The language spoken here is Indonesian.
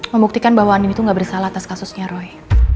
membuktikan bahwa andi itu gak bersalah atas kasusnya roy